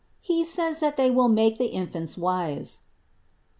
He says that they make the infants wise (Ps.